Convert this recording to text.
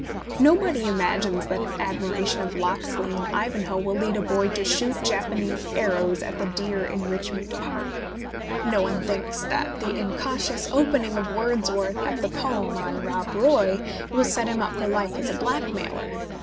Nobody imagines that an admiration of Locksley in " Ivanhoe" will lead a boy to shoot Jap anese arrows at the deer in Richmond Park ; no one thinks that the incautious opening of Wordsworth at the poem on Rob Roy will set him up for life as a blackmailer.